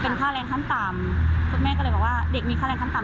เพราะว่าไม่ได้พูดอะไรเค้าแค่บอกว่าให้คุยกับประกันนะคะ